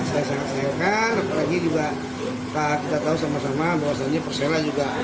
saya sangat sayangkan apalagi juga kita tahu sama sama bahwasannya persela juga